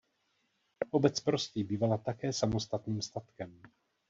Obec Prostý bývala také samostatným statkem.